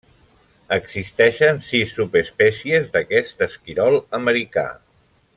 Existeixen sis subespècies d'aquest esquirol americà.